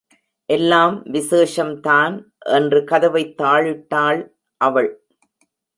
எல்லாம் விசேஷம்தான் என்று கதவைத் தாழிட்டாள் அவள்.